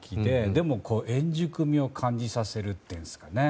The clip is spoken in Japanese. でも、円熟味を感じさせるというんですかね。